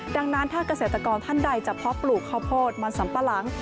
ดังนั้นถ้าเกษตรกรท่านใดจะเพาะปลูกข้าวโพดมันสัมปะหลัง